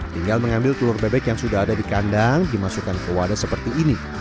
tinggal mengambil telur bebek yang sudah ada di kandang dimasukkan ke wadah seperti ini